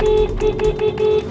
udah diumin aja